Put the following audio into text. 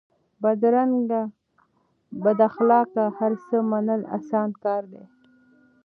بدرنګي بداخلاق هرڅه منل اسان کار دی؛